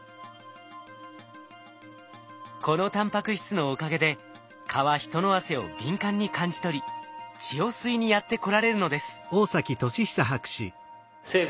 このタンパク質のおかげで蚊は人の汗を敏感に感じ取り血を吸いにやって来られるのです。